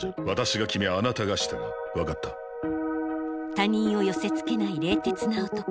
他人を寄せつけない冷徹な男。